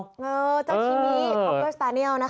เออจะคิมิท์พองเกิ้ลสปาแนียลนะคะ